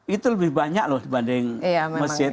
itu lebih banyak loh dibanding masjid